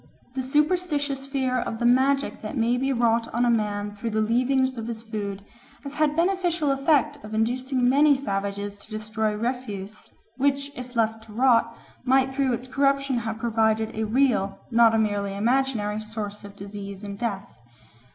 The superstitious fear of the magic that may be wrought on a man through the leavings of his food has had the beneficial effect of inducing many savages to destroy refuse which, if left to rot, might through its corruption have proved a real, not a merely imaginary, source of disease and death.